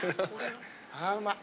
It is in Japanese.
あうまい。